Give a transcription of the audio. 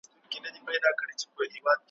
هلته مي هم نوي جامې په تن کي نه درلودې `